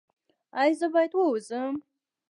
ایا زه باید ووځم؟